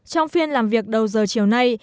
trong phiên làm việc đầu giờ chiều nay